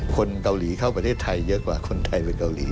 คนเกาหลีเข้าประเทศไทยเยอะกว่าคนไทยเป็นเกาหลี